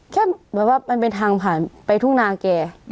เหมือนว่ามันเป็นทางผ่านไปทุ่งนาแก